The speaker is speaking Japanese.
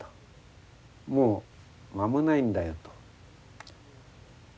「もう間もないんだよ」と。